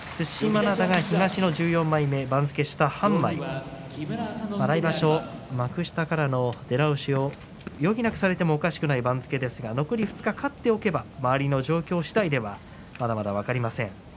東の１４枚目番付下、半枚来場所、幕下からの出直しを余儀なくされても致し方ない番付ですが残り２日勝っておけばまだまだ分かりません。